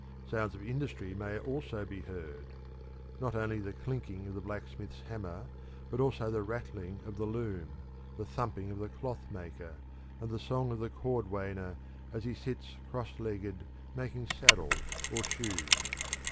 Sounds of industry may also be heard not only the clinking of the blacksmith's hammer, but also the rattling of the loom, the thumping of the cloth maker, and the song of the cordwainer as he sits cross legged making saddles or shoes.